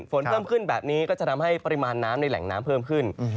ฝนเพิ่มขึ้นแบบนี้ก็จะทำให้ปริมาณน้ำในแหล่งน้ำเพิ่มขึ้น